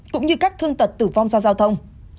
cũng như các thương tật tử vong do giao thông